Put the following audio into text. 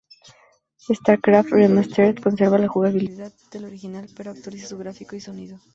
StarCraft: Remastered conserva la jugabilidad del original, pero actualiza sus gráficos y sonido.